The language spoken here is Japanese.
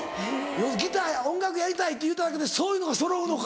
ギター音楽やりたいって言うただけでそういうのがそろうのか。